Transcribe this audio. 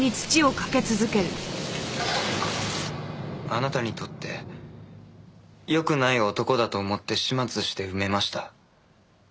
あなたにとって良くない男だと思って始末して埋めました。